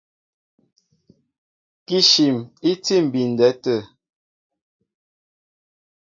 Kíshim í tí á mbindɛ tê.